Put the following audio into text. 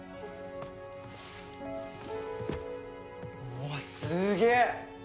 うわっすげえ！